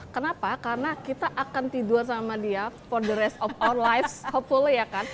kenapa karena kita akan tidur sama dia for the res of our life hopefully ya kan